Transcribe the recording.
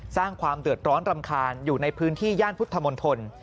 สร้างความเดือดร้อนรำคาญอยู่ในพื้นที่ย่านพุทธมนตร